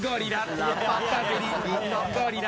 ゴリラ。